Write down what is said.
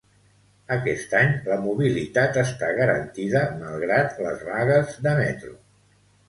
Aquest any, la mobilitat està garantida malgrat les vagues de metro.